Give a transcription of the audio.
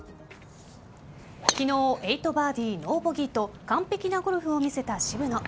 昨日８バーディー、ノーボギーと完璧なゴルフを見せた渋野。